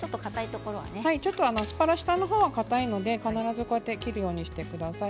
アスパラは下の方がかたいので必ずこうやって切るようにしてください。